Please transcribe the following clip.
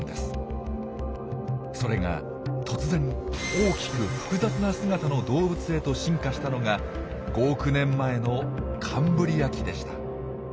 それが突然大きく複雑な姿の動物へと進化したのが５億年前のカンブリア紀でした。